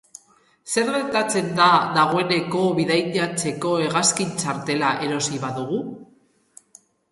Zer gertatzen da dagoeneko bidaiatzeko hegazkin-txartela erosi badugu?